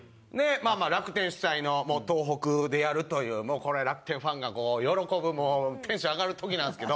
楽天主催の東北でやるというこれ楽天ファンが喜ぶテンション上がる時なんですけど。